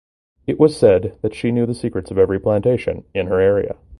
It was said that she knew the secrets of every plantation in her area.